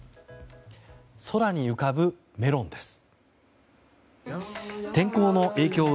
空に浮かぶメロンです。